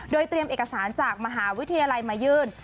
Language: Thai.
โดยเตรียมเอกสารจากมหาวิทยาลัยมายื่น